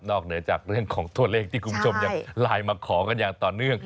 เหนือจากเรื่องของตัวเลขที่คุณผู้ชมยังไลน์มาขอกันอย่างต่อเนื่อง